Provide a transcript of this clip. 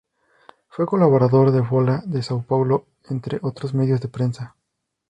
Fue colaborador de Folha de São Paulo, entre otros medios de prensa.